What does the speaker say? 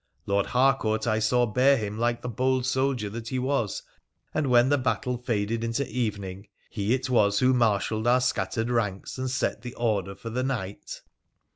Lord Harcourt I saw bear him like the bold soldier that he was, and when the battle faded into evening he it was who marshalled our scattered ranks and set the order for the night.'